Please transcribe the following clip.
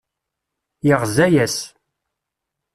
Yeɣza-as.